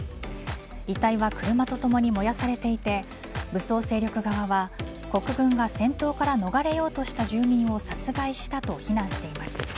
遺体は車とともに燃やされていて武装勢力側は国軍が戦闘から逃れようとした住民を殺したと非難しています。